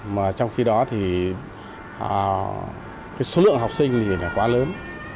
và số lượng học sinh thì quá lớn